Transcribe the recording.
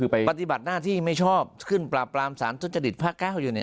ปฏิบัติหน้าที่ไม่ชอบขึ้นปราบรามศาลทุศจภาค๙อยู่